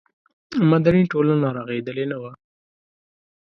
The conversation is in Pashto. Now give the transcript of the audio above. مدني ټولنه رغېدلې نه وه.